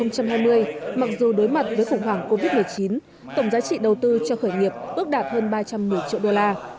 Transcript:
năm hai nghìn hai mươi mặc dù đối mặt với khủng hoảng covid một mươi chín tổng giá trị đầu tư cho khởi nghiệp ước đạt hơn ba trăm một mươi triệu đô la